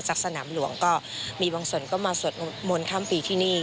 สนามหลวงก็มีบางส่วนก็มาสวดมนต์ข้ามปีที่นี่